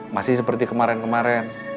masih seperti kemarin kemarin